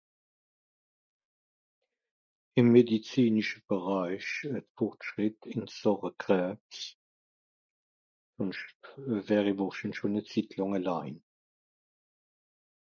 im medizinische Bereich euh Fortschritt in Sàche Kräbs schonsch wär i wohrschins schon e Zitt làng allein